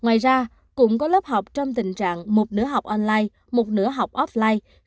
ngoài ra cũng có lớp học trong tình trạng một nửa học online một nửa học online